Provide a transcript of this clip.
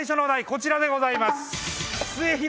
こちらでございます。